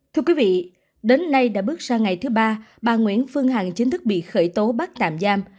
thưa quý vị đến nay đã bước sang ngày thứ ba bà nguyễn phương hằng chính thức bị khởi tố bắt tạm giam